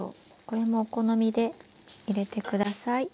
これもお好みで入れて下さい。